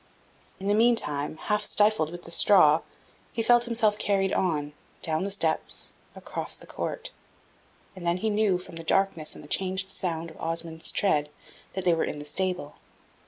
In the meantime, half stifled with the straw, he felt himself carried on, down the steps, across the court; and then he knew, from the darkness and the changed sound of Osmond's tread, that they were in the stable.